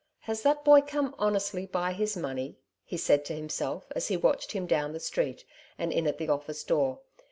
^^ Has that boy come honestly by his money ?" he said to himself, as he watched him down the street and in at the oflSce door.